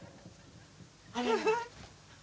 あれ？